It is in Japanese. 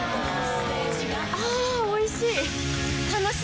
あぁおいしい！